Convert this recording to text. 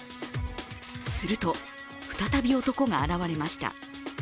すると、再び男が現れました。